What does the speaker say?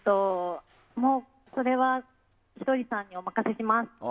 ひとりさんにお任せします。